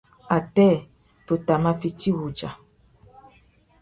Atê, tu tà mà fiti wudja.